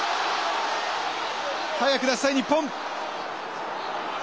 早く出したい日本。